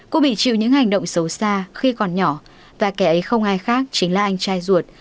cô bị chịu những hành động xấu xa khi còn nhỏ và kẻ ấy không ai khác chính là anh trai ruột